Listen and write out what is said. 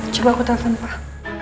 coba aku telfon pak